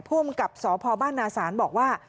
ภูมิกับสพบ้านนาศาลบอกว่า